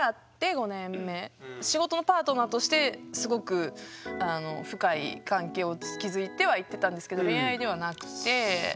仕事のパートナーとしてすごく深い関係を築いてはいってたんですけど恋愛ではなくて。